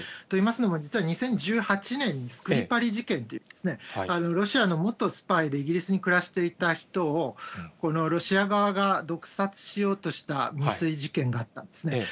といいますのも、実は２０１８年にクリパリ事件、ロシアの元スパイでイギリスに暮らしていた人を、ロシア側が毒殺しようとした未遂事件があったんですね。